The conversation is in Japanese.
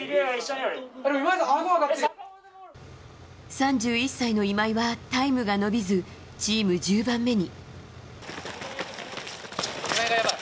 ３１歳の今井はタイムが伸びずチーム１０番目に。